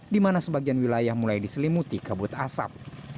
di mana sebagian wilayah mulai diselimuti kabut asap